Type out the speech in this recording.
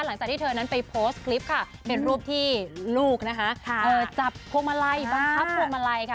หลังจากที่เธอนั้นไปโพสต์คลิปค่ะเป็นรูปที่ลูกจับพวกมาลัยค่ะ